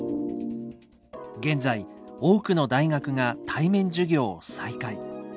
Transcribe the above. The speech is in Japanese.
現在多くの大学が対面授業を再開。